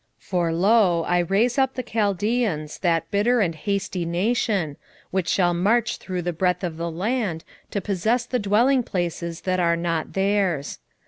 1:6 For, lo, I raise up the Chaldeans, that bitter and hasty nation, which shall march through the breadth of the land, to possess the dwellingplaces that are not theirs.